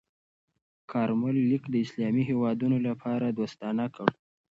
کارمل لیک د اسلامي هېوادونو لپاره دوستانه کړ.